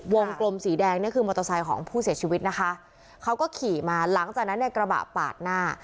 กลมสีแดงนี่คือมอเตอร์ไซค์ของผู้เสียชีวิตนะคะเขาก็ขี่มาหลังจากนั้นเนี่ยกระบะปาดหน้า